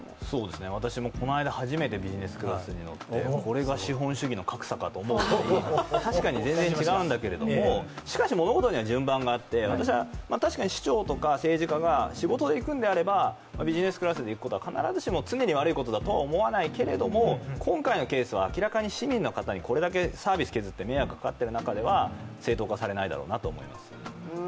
私もこの間初めてビジネスクラスに乗ってこれが資本主義の格差かと思うぐらい、確かに全然違うんだけれどもしかし物事には順番があって、私は、確かに市長とか政治家が仕事で行くのであれば、ビジネスクラスで行くことは必ずしも常に悪いことだとは思わないけれども今回のケースは明らかに市民の方にこれだけサービス削って、迷惑かかってる中では正当化されないだろうと思います。